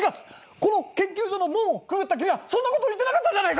この研究所の門をくぐった君はそんなこと言ってなかったじゃないか！